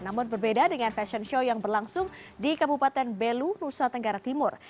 namun berbeda dengan fashion show yang berlangsung di kabupaten belu nusa tenggara timur